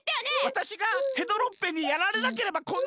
わたしがヘドロッペンにやられなければこんなことには。